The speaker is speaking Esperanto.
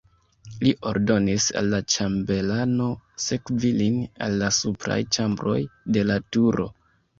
Li ordonis al la ĉambelano sekvi lin al la supraj ĉambroj de la turo.